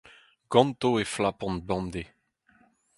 Ganto e flapan bemdez.